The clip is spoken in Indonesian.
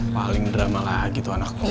paling drama lagi tuh anakku